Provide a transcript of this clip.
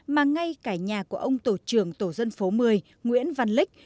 mà ngay cả nhà của ông tổ trưởng tổ dân phố một mươi nguyễn văn lích